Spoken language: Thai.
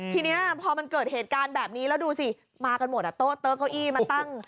ทีนี้พอมันเกิดเหตุการณ์แบบนี้แล้วดูสิมากันหมดอ่ะโต๊ะเต๊ะเก้าอี้มาตั้ง